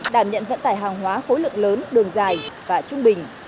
đảm nhận vận tải hàng hóa khối lượng lớn đường dài và trung bình